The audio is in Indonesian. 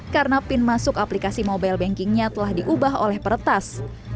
karena pin masuk aplikasi mobile bankingnya telah diubah oleh peretas